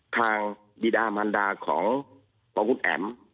ทางดีดามัณฑาของพคุณแอ๋ม